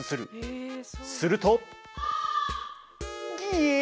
すると。